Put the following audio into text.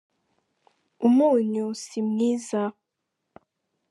umunyu simwiza.